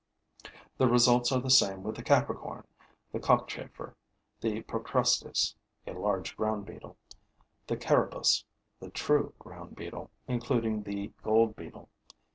The results are the same with the Capricorn, the cockchafer, the Procrustes [a large ground beetle], the Carabus [the true ground beetle, including the gold beetle].